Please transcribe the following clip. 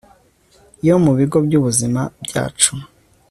yo mu bigo byubuzima byacu …